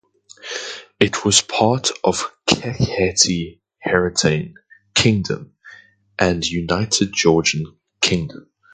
It was part of Kakheti-Heretian Kingdom and united Georgian Kingdom.